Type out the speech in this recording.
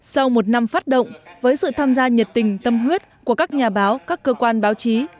sau một năm phát động với sự tham gia nhiệt tình tâm huyết của các nhà báo các cơ quan báo chí